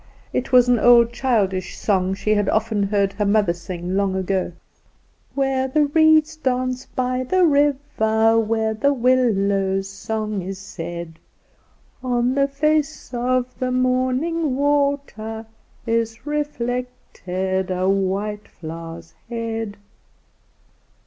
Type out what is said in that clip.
It was an old, childish song she had often heard her mother sing long ago: Where the reeds dance by the river, Where the willow's song is said, On the face of the morning water, Is reflected a white flower's head.